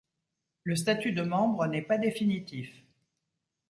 Le statut de membre n’est pas définitif.